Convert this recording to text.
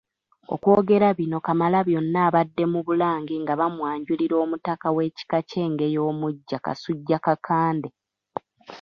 Okwogera bino Kamalabyonna abadde mu Bulange nga bamwanjulira Omutaka w’ekika ky’Engeye omuggya Kasujja Kakande.